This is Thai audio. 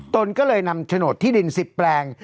ตนก็เลยนำโฉนดที่ดิน๑๐แปลง